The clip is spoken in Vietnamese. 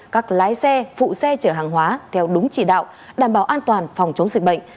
các lái xe phụ xe chở hàng hóa theo đúng chỉ đạo đảm bảo an toàn phòng chống dịch bệnh